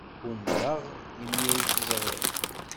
Umreɣ imi ay t-ẓriɣ.